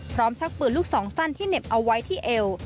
ชักปืนลูกสองสั้นที่เหน็บเอาไว้ที่เอว